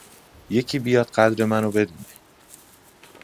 یکی بیاد قدر منو بدونه